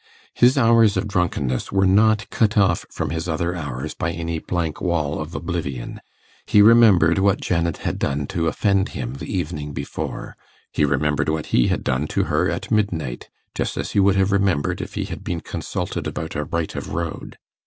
His hours of drunkenness were not cut off from his other hours by any blank wall of oblivion; he remembered what Janet had done to offend him the evening before, he remembered what he had done to her at midnight, just as he would have remembered if he had been consulted about a right of road.